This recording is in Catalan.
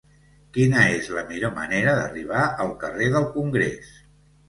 Quina és la millor manera d'arribar al carrer del Congrés?